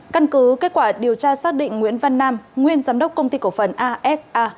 căn cứ kết quả điều tra xác định nguyễn văn nam nguyên giám đốc công ty cổ phần asa